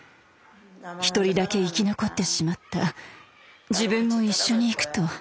「一人だけ生き残ってしまった自分も一緒にいく」と。